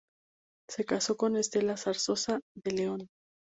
Se casó con Estela Zarzosa de León.